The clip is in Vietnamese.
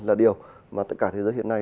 là điều mà tất cả thế giới hiện nay